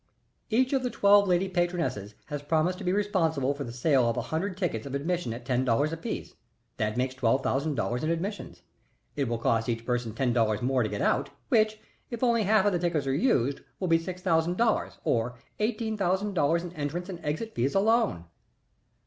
"Each of the twelve lady patronesses has promised to be responsible for the sale of a hundred tickets of admission at ten dollars apiece that makes twelve thousand dollars in admissions. It will cost each person ten dollars more to get out, which, if only half of the tickets are used, will be six thousand dollars or eighteen thousand dollars in entrance and exit fees alone."